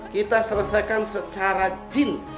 kita selesaikan secara jin